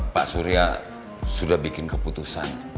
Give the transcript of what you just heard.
pak surya sudah bikin keputusan